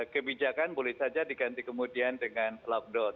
kebijakan boleh saja diganti kemudian dengan lockdown